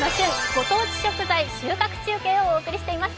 ご当地食材収穫中継をお送りしています。